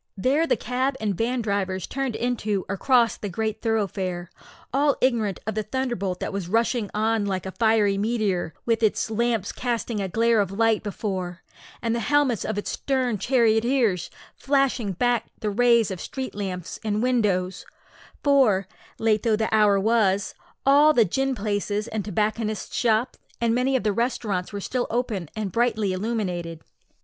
There the cab and van drivers turned into or crossed the great thoroughfare, all ignorant of the thunderbolt that was rushing on like a fiery meteor, with its lamps casting a glare of light before, and the helmets of its stern charioteers flashing back the rays of street lamps and windows; for, late though the hour was, all the gin palaces, and tobacconists' shops, and many of the restaurants were still open and brightly illuminated.